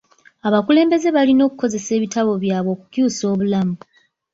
Abakulembeze balina okukozesa ebitabo byabwe okukyusa obulamu.